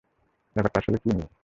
ব্যাপারটা আসলে কী নিয়ে?